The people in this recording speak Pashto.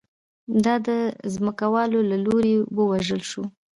دا د ځمکوالو له لوري ووژل شو